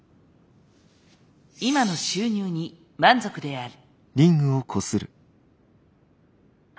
今の収入に満足である。